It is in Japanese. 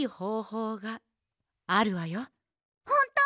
ほんと！？